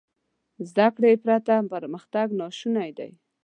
زده کړې پرته پرمختګ ناشونی دی.